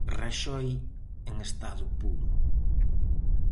Raxoi en estado puro.